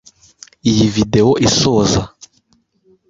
Iyi videwo isoza